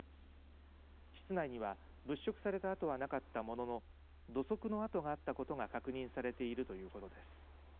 室内には物色された跡はなかったものの土足の跡があったことが確認されているということです。